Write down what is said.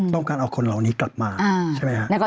ต้องการเอาคนเหล่านี้กลับมาใช่ไหมครับ